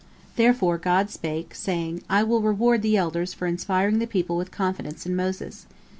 Therefore God spake, saying: "I will reward the elders for inspiring the people with confidence in Moses.